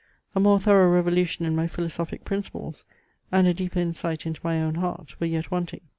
A more thorough revolution in my philosophic principles, and a deeper insight into my own heart, were yet wanting.